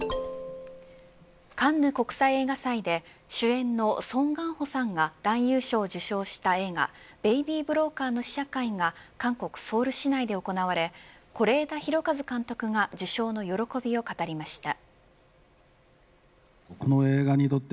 カンヌ国際映画祭で主演のソン・ガンホさんが男優賞を受賞した映画ベイビー・ブローカーの試写会が韓国ソウル市内で行われ是枝裕和監督が受賞の喜びを語りました。